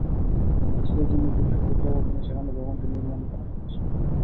মসজিদের জন্য দুই শতক জায়গা কিনে সেখানে ভবনটি নির্মাণ করা হচ্ছে।